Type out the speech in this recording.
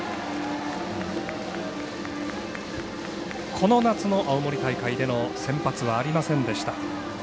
この夏の青森大会での先発はありませんでした。